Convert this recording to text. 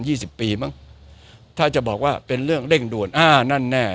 สิบปีมั้งถ้าจะบอกว่าเป็นเรื่องเร่งด่วนอ่านั่นแน่